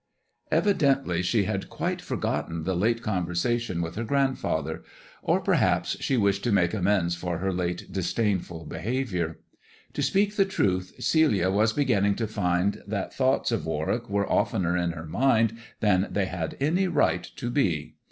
Evidently she had quite forgotten the late conversation with her grandfather; or perhaps she wished to make amends for her late disdainful behaviour. To speak the truth, Celia was beginning to find that thoughts of AVarwick were of tener in her mind than they had any right to be.